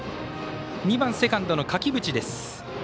２番セカンドの垣淵です。